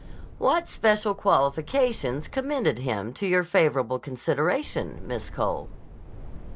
"What special qualification commended him to your favorable consideration, Miss Cole?"